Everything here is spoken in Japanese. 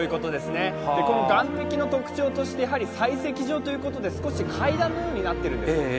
この岸壁の特徴として採石場ということで少し階段のようになっているんです。